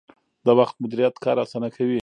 د وخت مدیریت کار اسانه کوي